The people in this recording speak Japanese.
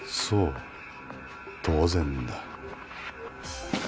そう当然だ。